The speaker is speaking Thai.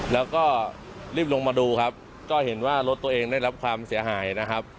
แล้วก็รีบลงมาดูครับก็เห็นว่ารถตัวเองได้รับความเสียหายนะครับ